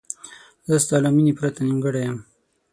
زه ستا له مینې پرته نیمګړی یم.